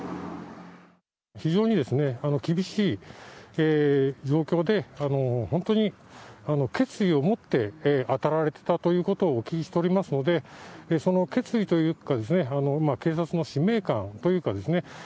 非常にですね、厳しい状況で本当に決意をもってあたられていたということをお聞きしておりますのでその決意というか警察の使命感というかですね